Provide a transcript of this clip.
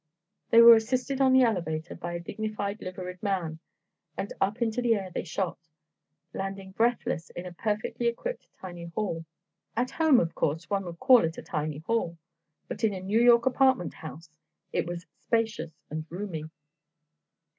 They were assisted on the elevator by a dignified liveried man, and up into the air they shot, landing, breathless, in a perfectly equipped tiny hall. At home, of course, one would call it a tiny hall, but in a New York apartment house it was spacious and roomy.